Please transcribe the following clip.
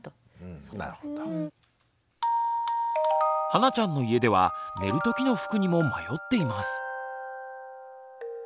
はなちゃんの家では寝る時の服にも迷っています。